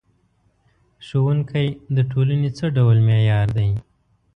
ښوونکی د ټولنې څه ډول معمار دی؟